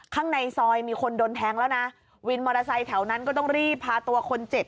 ข้างในซอยมีคนโดนแทงแล้วนะวินมอเตอร์ไซค์แถวนั้นก็ต้องรีบพาตัวคนเจ็บ